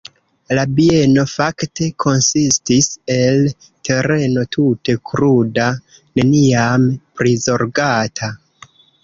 La bieno fakte konsistis el tereno tute kruda, neniam prizorgata.